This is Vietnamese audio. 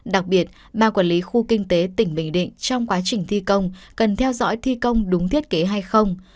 đặc biệt ba quản lý khu kinh tế tỉnh bình định trong quá trình thi công cần theo dõi thi công đúng thiết kế hay không